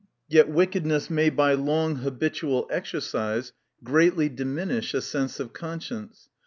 Yet wickedness may, by long habit ual exercise, greatly diminish a sense of conscience.